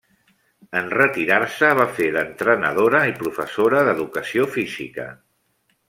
En retirar-se va fer d'entrenadora i professora d'educació física.